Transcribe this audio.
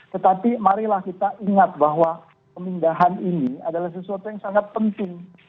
tetapi marilah kita ingat bahwa pemindahan ini adalah sesuatu yang sangat penting